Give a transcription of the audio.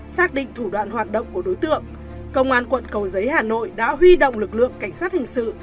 xác định thủ đoạn hoạt động của đối tượng công an quận cầu giấy hà nội đã huy động lực lượng cảnh sát hình sự